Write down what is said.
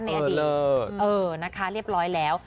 วันนั้นเรียบร้อยแล้ว